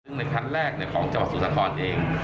ในครั้งแรกของจังหวัดสมุทรสาครเอง